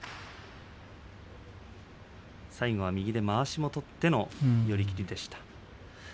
最後は右でまわしを取っての寄り切りでした。